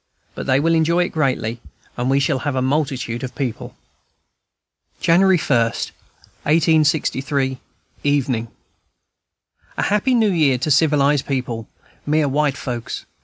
But they will enjoy it greatly, and we shall have a multitude of people. January 1, 1863 (evening). A happy New Year to civilized people, mere white folks.